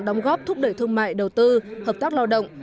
đóng góp thúc đẩy thương mại đầu tư hợp tác lao động